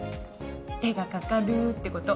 手がかかるってこと。